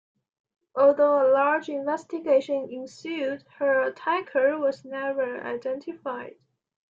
Although a large investigation ensued, her attacker was never identified.